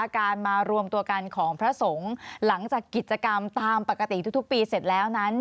การมารวมตัวกันของพระสงฆ์หลังจากกิจกรรมตามปกติทุกปีเสร็จแล้วนั้น